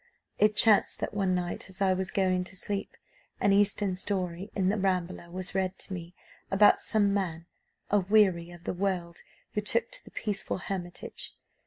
"It chanced that one night, as I was going to sleep, an eastern story in 'The Rambler,' was read to me, about some man, a weary of the world, who took to the peaceful hermitage.